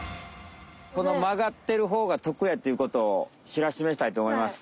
このまがってる方がとくやっていうことをしらしめたいとおもいます。